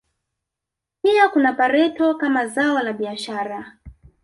Pia kuna pareto kama zao la biashara